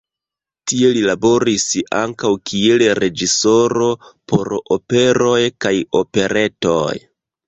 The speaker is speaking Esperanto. Tie li laboris ankaŭ kiel reĝisoro por operoj kaj operetoj.